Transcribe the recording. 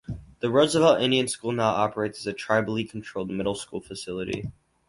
The Roosevelt Indian School now operates as a tribally controlled middle-school facility.